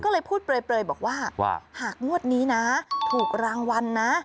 ก็เลยพูดเปลยบอกว่าหากงวดนี้นะถูกรางวัลนะ